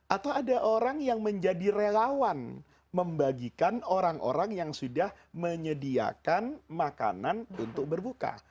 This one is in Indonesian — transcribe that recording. atau ada orang yang menjadi relawan membagikan orang orang yang sudah menyediakan makanan untuk berbuka